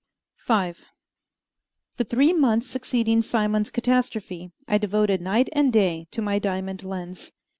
V The three months succeeding Simon's catastrophe I devoted night and day to my diamond lens.